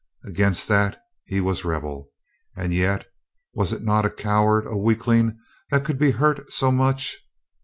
Against that he was rebel. ... And yet was it not a coward, a weakling, that could be hurt so much?